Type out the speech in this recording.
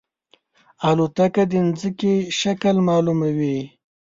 الوتکه د زمکې شکل معلوموي.